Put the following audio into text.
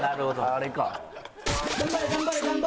あれか。